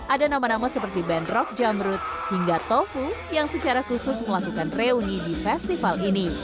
ada nama nama seperti band rock jamrut hingga tofu yang secara khusus melakukan reuni di festival ini